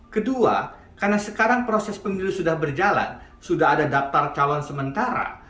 kedua karena sekarang proses pemilu sudah berjalan sudah ada daftar calon sementara